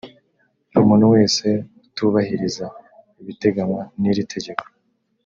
umuntu wese utubahiriza ibiteganywa n’iri tegeko